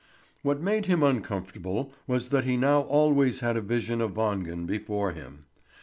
What made him uncomfortable was that he now always had a vision of Wangen before him.